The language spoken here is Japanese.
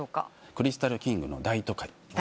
クリスタルキングの『大都会』です。